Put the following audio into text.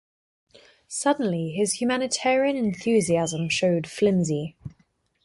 Suddenly his humanitarian enthusiasm showed flimsy.